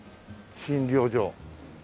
診療所。